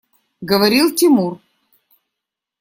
Говорил Тимур.